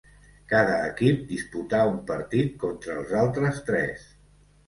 Cada equip disputà un partit contra els altres tres.